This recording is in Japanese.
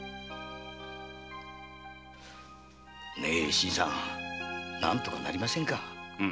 新さん何とかなりませんか？